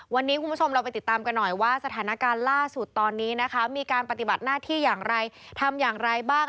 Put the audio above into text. วันนี้คุณผู้ชมเราไปติดตามกันหน่อยว่าสถานการณ์ล่าสุดตอนนี้นะคะมีการปฏิบัติหน้าที่อย่างไรทำอย่างไรบ้าง